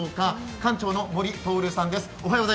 館長の森徹さんです。